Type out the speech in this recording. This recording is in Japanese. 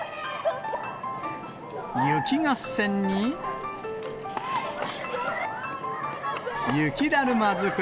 雪合戦に、雪だるま作り。